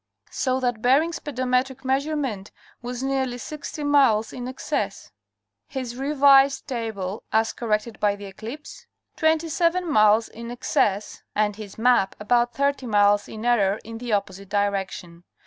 So that Bering's pedometric measurement was nearly 60 miles in excess ; his revised table (as corrected by the eclipse ?) 27 miles in excess ; and his map about 30 miles in error in the opposite direction.